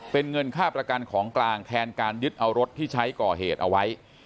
เป็นเงินค่าประกันของกลางแทนการยึดเอารถที่ใช้ก่อเหตุเอาไว้